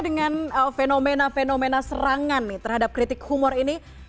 dengan fenomena fenomena serangan terhadap kritik humor ini